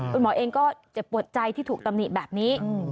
คุณหมอเองก็เจ็บปวดใจที่ถูกตำหนิแบบนี้